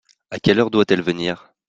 À quelle heure doit-elle venir ?